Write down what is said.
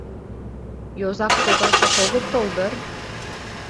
Йозак погашак огыт тол дыр?